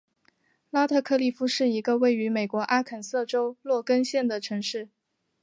拉特克利夫是一个位于美国阿肯色州洛根县的城市。